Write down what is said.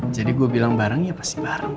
jadi gue bilang bareng ya pasti bareng